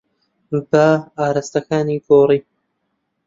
با ئاراستەکانی گۆڕی.